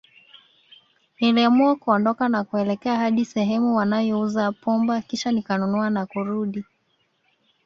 Niliamua kuondoka na kuelekea hadi sehemu wanayouza pumba Kisha nikanunua na kurudi